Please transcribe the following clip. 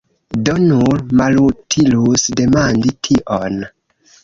Do, nur malutilus demandi tion!